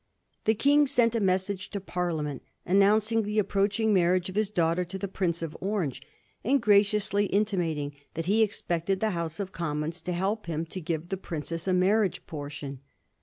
The King sent a message to Parliament an nouncing the approaching marriage of his daughter to the Prince of Orange, and graciously intimating that he ex pected the House of Commons to help him to give the princess a marriage portion.